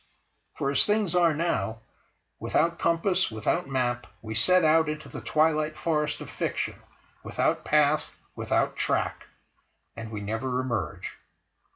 For, as things are now, without compass, without map, we set out into the twilight forest of fiction; without path, without track—and we never emerge.